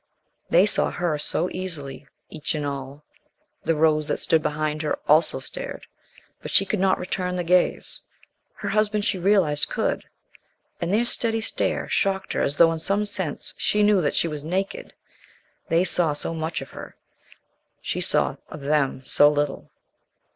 They saw her so easily, each and all. The rows that stood behind her also stared. But she could not return the gaze. Her husband, she realized, could. And their steady stare shocked her as though in some sense she knew that she was naked. They saw so much of her: she saw of them so little.